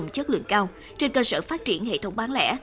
cao trên cơ sở phát triển hệ thống bán lẻ